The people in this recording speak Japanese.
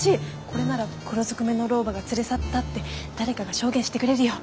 これなら黒ずくめの老婆が連れ去ったって誰かが証言してくれるよ。